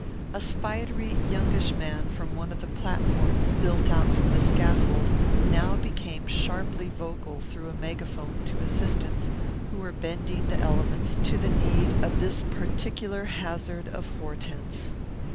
A spidery, youngish man from one of the platforms built out from the scaffold, now became sharply vocal through a megaphone to assistants who were bending the elements to the need of this particular hazard of Hortense.